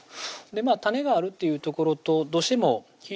種があるっていうところとどうしても火ぃ